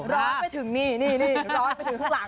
ร้อนไปถึงนี่นี่ร้อนไปถึงข้างหลัง